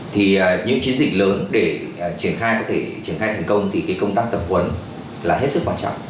thì những chiến dịch lớn để triển khai có thể triển khai thành công thì công tác tập huấn là hết sức quan trọng